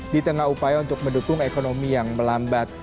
di tengah upaya untuk mendukung ekonomi yang melambat